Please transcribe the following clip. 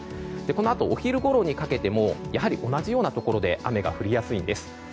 このあと、お昼ごろにかけてもやはり、同じようなところで雨が降りやすいです。